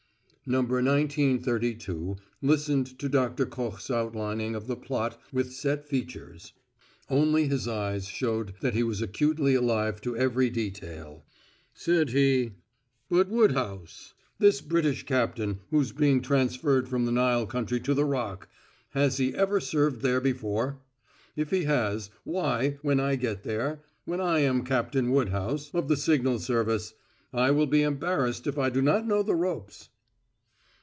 Number Nineteen Thirty two listened to Doctor Koch's outlining of the plot with set features; only his eyes showed that he was acutely alive to every detail. Said he: "But Woodhouse this British captain who's being transferred from the Nile country to the Rock; has he ever served there before? If he has, why, when I get there when I am Captain Woodhouse, of the signal service I will be embarrassed if I do not know the ropes."